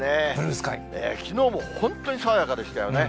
きのうも本当に爽やかでしたよね。